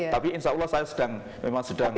tapi insya allah saya memang sedang mencermati ini